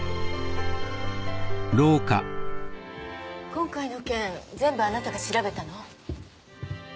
今回の件全部あなたが調べたの？